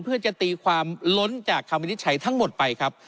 เพื่อจะตีความล้นจากคำวินิจฉัยทั้งหมดไปครับ